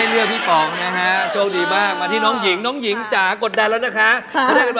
ถ้าเลือกพี่ป๋องมาก็ได้ตอบกะหรี่ปั๊บแล้ว